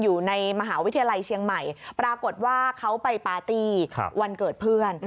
อยู่ในมหาวิทยาลัยเชียงใหม่ปรากฏว่าเขาไปปาร์ตี้วันเกิดเพื่อน